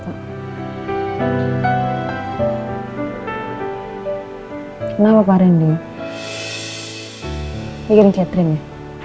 kenapa pak rendy bikin cedrin ya